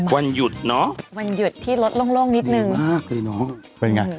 วันหยุดเนอะวันหยุดที่รถโล่งนิดนึงมากเลยเนอะเป็นไง